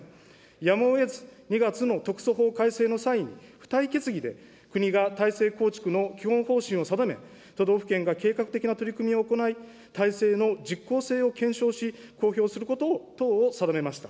やむをえず、２月の特措法改正の際に、付帯決議で国が体制構築の基本方針を定め、都道府県が計画的な取り組みを行い、体制の実効性を検証し、公表すること等を定めました。